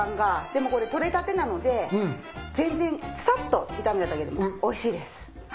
でもこれ取れたてなので全然さっと炒めただけでおいしいです。